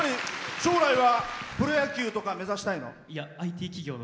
将来はプロ野球とか目指したいの？